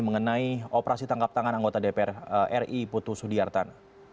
mengenai operasi tangkap tangan anggota dpr ri putu sudiartan